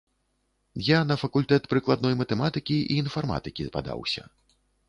Я на факультэт прыкладной матэматыкі і інфарматыкі падаўся.